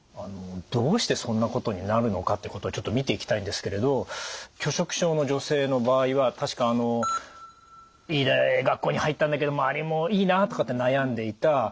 どうしてそんなことになるのかってことをちょっと見ていきたいんですけれど拒食症の女性の場合は確かいい学校に入ったんだけど周りもいいなとかって悩んでいた。